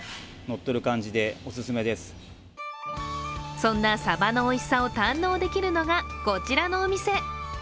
そんなさばのおいしさを堪能できるのがこちらのお店。